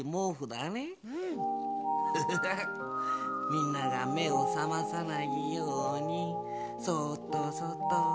みんながめをさまさないようにそっとそっと。